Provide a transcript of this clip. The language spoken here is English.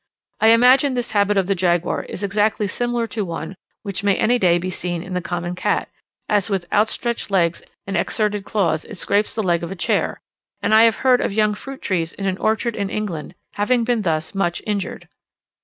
I imagine this habit of the jaguar is exactly similar to one which may any day be seen in the common cat, as with outstretched legs and exserted claws it scrapes the leg of a chair; and I have heard of young fruit trees in an orchard in England having been thus much injured.